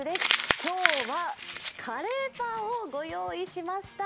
今日はカレーパンをご用意しました。